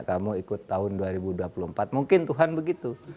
kamu ikut tahun dua ribu dua puluh empat mungkin tuhan begitu